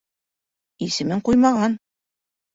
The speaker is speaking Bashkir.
Исемен ҡуймаған.